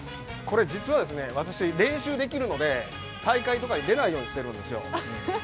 実は私、練習できるので大会とかに出ないようにしてるんですよ。